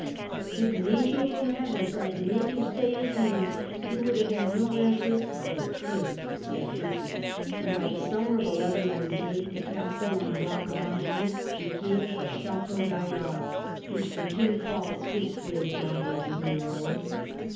"If an angel from heaven tried to make him stay his hand, he would have had no answer but a curse," said Richard, and by the summer of 1198 the castle on the rock of Andely became the " Chateau Gaillard," which the king called his fair daughter of a year old.